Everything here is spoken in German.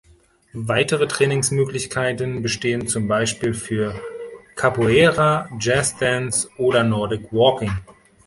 Weitere Trainingsmöglichkeiten bestehen zum Beispiel für Capoeira, Jazz-Dance oder Nordic Walking.